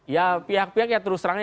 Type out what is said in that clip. ya pihak pihak ya terus terang